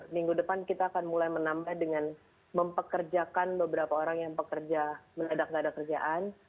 minggu depan kita akan mulai menambah dengan mempekerjakan beberapa orang yang menedak nedak kerjaan